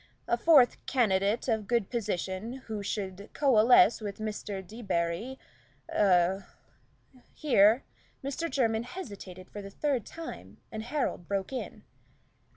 A fourth candidate of good position, who should coalesce with Mr. Debarry a " Here Mr. Jermyn hesitated for the third time, and Harold broke in.